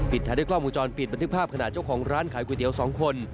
ท้ายด้วยกล้องวงจรปิดบันทึกภาพขณะเจ้าของร้านขายก๋วยเตี๋ยว๒คน